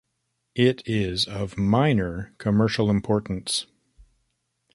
It is of minor commercial importance.